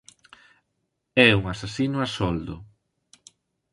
E un asasino a soldo.